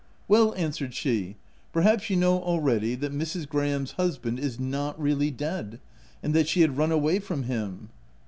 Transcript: * u Well," answered she, " perhaps you know already that Mrs. Graham's husband is not really dead, and that she had run away from him?"